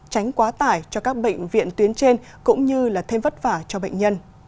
tránh quá tải cho các bệnh viện tuyến trên cũng như là thêm vất vả cho bệnh nhân